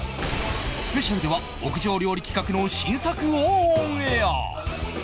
スペシャルでは屋上料理企画の新作をオンエア